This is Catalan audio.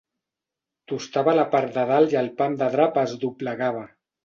Tustava la part de dalt i el pam de drap es doblegava.